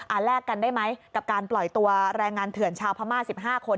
แลกกันได้ไหมกับการปล่อยตัวแรงงานเถื่อนชาวพม่า๑๕คน